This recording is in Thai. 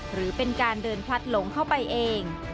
หรือเป็นการเดินพลัดหลงเข้าไปเอง